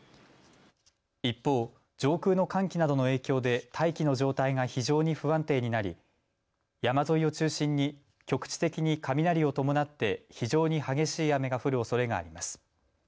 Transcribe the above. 一方、上空の寒気などの影響で大気の状態が非常に不安定になり山沿いを中心に局地的に雷を伴って非常に激しい雨が降るおそれがあります。